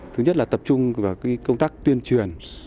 thứ nhất là tập trung vào công tác tuyên truyền